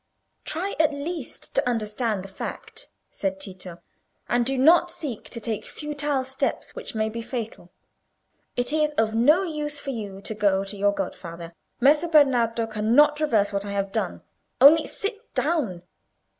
"Try at least to understand the fact," said Tito, "and do not seek to take futile steps which may be fatal. It is of no use for you to go to your godfather. Messer Bernardo cannot reverse what I have done. Only sit down.